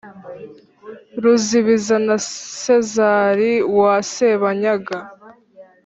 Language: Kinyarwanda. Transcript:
ruzibiza na sezari wa sebanyaga